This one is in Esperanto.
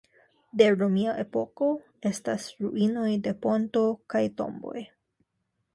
De romia epoko estas ruinoj de ponto kaj tomboj.